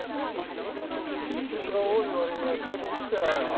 出血が多い割には血が飛び散ってないな。